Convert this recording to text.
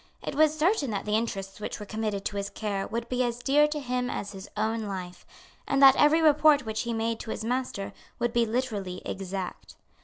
It was certain that the interests which were committed to his care would be as dear to him as his own life, and that every report which he made to his master would be literally exact.